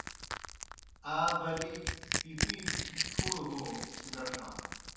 آ بلِی پِپِیں پُھڑوْ ہو سِدَڇھان۔